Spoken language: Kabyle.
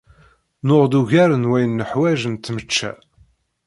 Nuɣ-d ugar n wayen neḥwaǧ n tmečča.